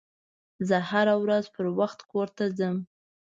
زه هره ورځ پروخت کور ته ځم